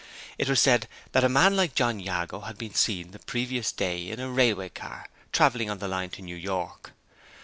It was said that a man like John Jago had been seen the previous day in a railway car, traveling on the line to New York.